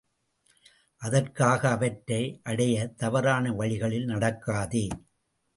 அதற்காக அவற்றை அடைய தவறான வழிகளில் நடக்காதே.